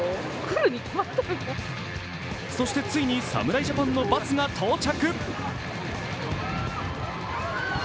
そして、ついに侍ジャパンのバスが到着。